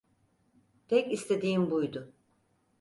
Tek istediğim buydu.